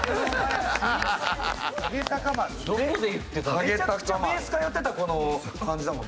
めちゃくちゃｂａｓｅ通ってた子の感じだもんね。